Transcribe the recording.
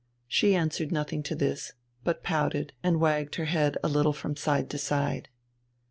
She answered nothing to this, but pouted and wagged her head a little from side to side.